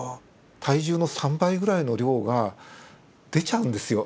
体重の３倍ぐらいの量が出ちゃうんですよ。